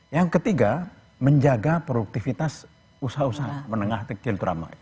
yang ketiga menjaga produktivitas usaha usaha menengah kegiaturan